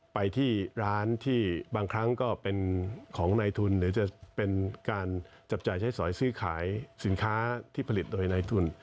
ไปที่ร้านที่บางครั้งก็เป็นของในทุนหรือจะเป็นการจับจ่ายใช้สอยซื้อขายสินค้าที่ผลิตโดยในทุน